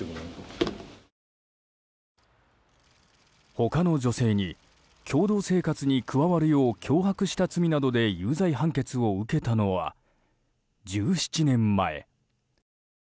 他の女性に共同生活に加わるよう脅迫した罪などで有罪判決を受けたのは１７年前。